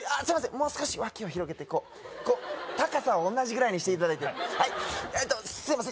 もう少し脇を広げてこう高さをおんなじぐらいにしていただいてはいすいません